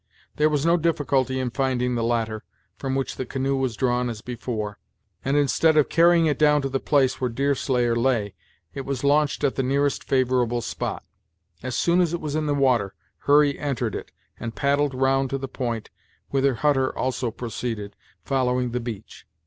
There was no difficulty in finding the latter, from which the canoe was drawn as before, and instead of carrying it down to the place where Deerslayer lay, it was launched at the nearest favorable spot. As soon as it was in the water, Hurry entered it, and paddled round to the point, whither Hutter also proceeded, following the beach.